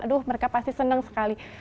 aduh mereka pasti senang sekali